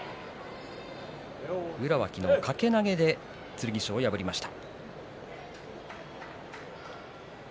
宇良は昨日掛け投げで剣翔を破りました。